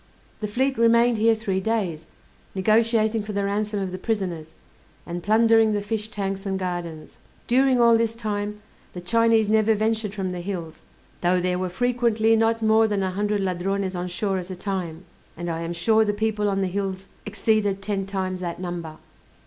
The fleet remained here three days, negotiating for the ransom of the prisoners, and plundering the fish tanks and gardens. During all this time, the Chinese never ventured from the hills, though there were frequently not more than a hundred Ladrones on shore at a time, and I am sure the people on the hills exceeded ten times that number.